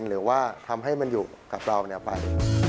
หรือว่าทำให้มันอยู่กับเราไป